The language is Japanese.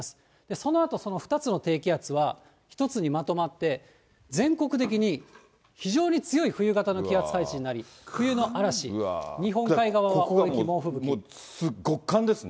そのあと２つの低気圧は、一つにまとまって、全国的に非常に強い冬型の気圧配置になり、冬の嵐、ここがもう、極寒ですね。